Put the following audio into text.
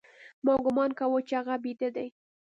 ما گومان کاوه چې هغه بيده دى.